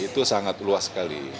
itu sangat luas sekali